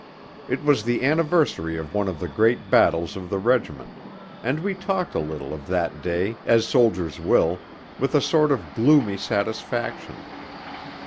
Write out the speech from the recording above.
It was the anniversary of one of the great battles of the regiment; and we talked a little of that day, as soldiers will, with a sort of gloomy satisfaction.